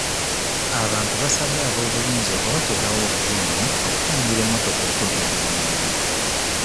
Abantu basabye ab'obuyinza okubateerawo obugulumo okutangira emmotoka okudduka endiima.